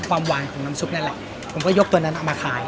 ความหวานของน้ำซุปนั่นแหละผมก็ยกตัวนั้นเอามาขาย